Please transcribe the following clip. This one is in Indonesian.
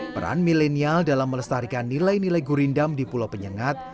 peran milenial dalam melestarikan nilai nilai gurindam di pulau penyengat